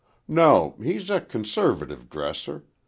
"No; he's a conservative dresser.